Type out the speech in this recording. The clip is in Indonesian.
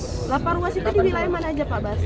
delapan ruas itu di wilayah mana aja pak basri